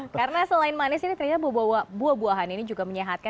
karena selain manis ini ternyata buah buahan ini juga menyehatkan